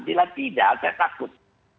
jika tidak saya takut